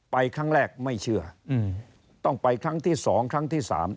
ครั้งแรกไม่เชื่อต้องไปครั้งที่๒ครั้งที่๓